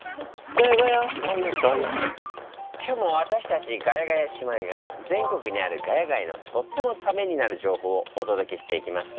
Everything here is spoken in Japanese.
今日も私たちガヤガヤ姉妹が全国にある「ヶ谷街」のとってもためになる情報をお届けしていきます。